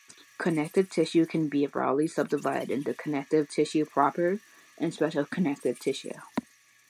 Connective tissue can be broadly subdivided into connective tissue proper, and special connective tissue.